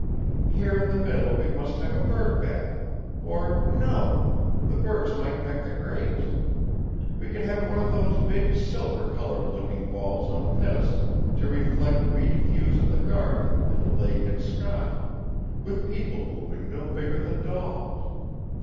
"Here in the middle we must have a birdbath. Or no! The birds might peck the grapes. We could have one of those big silver colored looking balls on a pedestal to reflect wee views of the garden and lake and sky, with people moving no bigger than dolls.